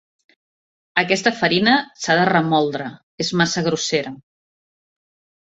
Aquesta farina s'ha de remoldre: és massa grossera.